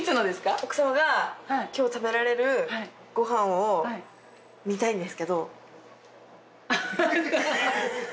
奥様が今日食べられるご飯を見たいんですけど。